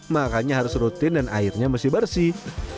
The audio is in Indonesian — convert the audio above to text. makannya harus rutin dan airnya mesti bersih